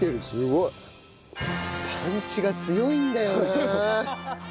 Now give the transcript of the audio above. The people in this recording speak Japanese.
すごい！パンチが強いんだよな！